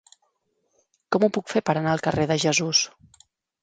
Com ho puc fer per anar al carrer de Jesús?